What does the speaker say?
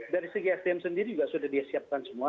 dari segi sdm sendiri juga sudah disiapkan semua